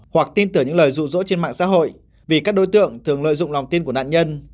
hoặc tin tưởng những lời rụ rỗ trên mạng xã hội vì các đối tượng thường lợi dụng lòng tin của nạn nhân